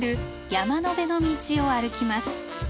「山の辺の道」を歩きます。